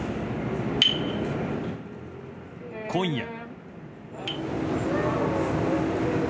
今夜。